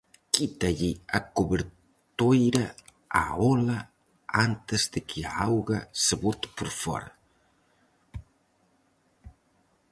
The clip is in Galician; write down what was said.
Quítalle a cobertoira á ola antes de que a auga se bote por fóra.